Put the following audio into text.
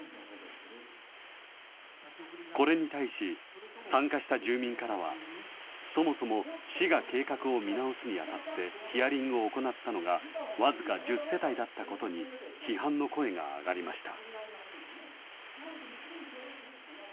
これに対し、参加した住民からは、そもそも市が計画を見直すにあたってヒアリングを行ったのが僅か１０世帯だったことに批判の声が上がりました。